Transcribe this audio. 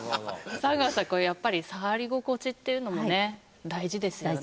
山川さんこれやっぱり触り心地っていうのもね大事ですよね。